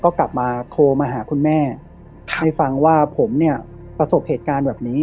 ก็กลับมาโทรมาหาคุณแม่ให้ฟังว่าผมเนี่ยประสบเหตุการณ์แบบนี้